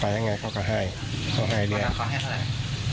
ยังไงเขาก็ให้เขาให้เรียกเขาให้เท่าไหร่